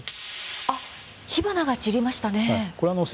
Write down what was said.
火花が散りましたね。